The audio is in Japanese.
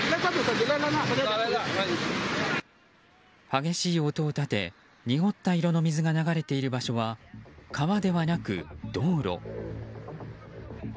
激しい音を立て濁った色の水が流れている場所は川ではなく道路。